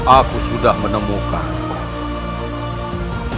aku sudah menemukanmu